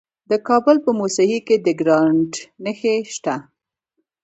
د کابل په موسهي کې د ګرانیټ نښې شته.